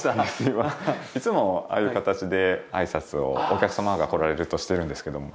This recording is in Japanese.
いつもああいう形で挨拶をお客様が来られるとしてるんですけども。